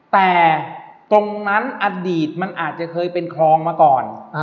แต่ตรงนั้นอดีตมันอาจจะเคยเป็นคลองมาก่อน